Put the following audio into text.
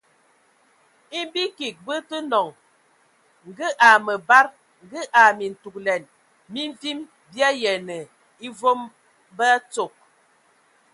E bi kig bə tə nɔŋ ngə a məbad, ngə a mintugəlɛn, mi mvim bi ayiɛnə e vom bə atsog.